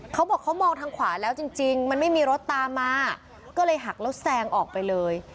เขาบอกเขามองทางขวาแล้วจริงจริงมันไม่มีรถตามมาก็เลยหักแล้วแซงออกไปเลย